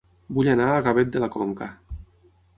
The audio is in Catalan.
Vull anar a Gavet de la Conca